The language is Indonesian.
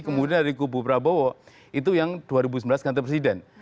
kemudian dari kubu prabowo itu yang dua ribu sembilan belas ganti presiden